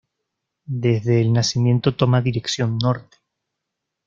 Desde el nacimiento toma dirección norte.